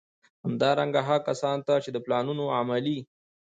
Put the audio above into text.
همدارنګه، هغو کسانو ته چي د پلانونو د عملي